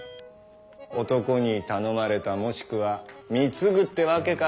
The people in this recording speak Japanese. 男に頼まれたもしくは貢ぐってわけか。